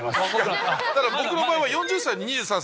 僕の場合は４０歳で２３歳。